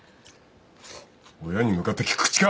親に向かって利く口か。